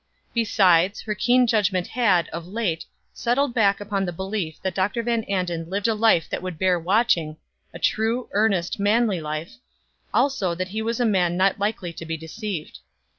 Besides, her keen judgment had, of late, settled back upon the belief that Dr. Van Anden lived a life that would bear watching a true, earnest, manly life; also, that he was a man not likely to be deceived.